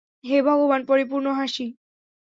হে ভগবান, পরিপূর্ণ হাসি।